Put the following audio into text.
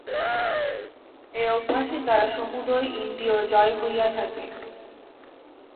এই অভ্যাসের দ্বারা সমুদয় ইন্দ্রিয় জয় হইয়া থাকে।